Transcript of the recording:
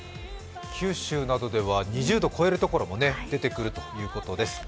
九州などでは２０度超えるところも出てくるということです。